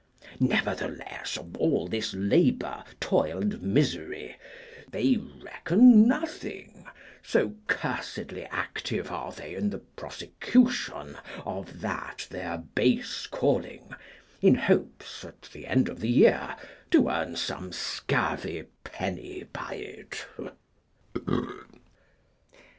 Nevertheless, of all this labour, toil, and misery, they reckon nothing, so cursedly active they are in the prosecution of that their base calling, in hopes, at the end of the year, to earn some scurvy penny by it.